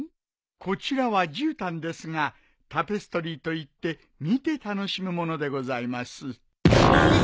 こちらはじゅうたんですがタペストリーといって見て楽しむものでございます。